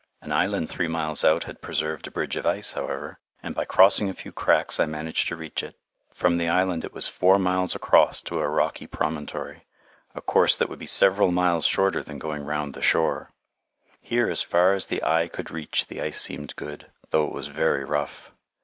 An island three miles out had preserved a bridge of ice, however, and by crossing a few cracks I managed to reach it. From the island it was four miles across to a rocky promontory, a course that would be several miles shorter than going round the shore. Here as far as the eye could reach the ice seemed good, though it was very rough.